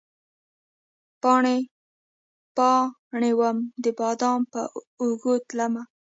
پاڼې ، پا ڼې وم د باد په اوږو تلمه